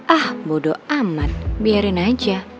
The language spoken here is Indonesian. ah bodoh amat biarin aja